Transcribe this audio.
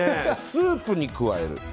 スープに加える。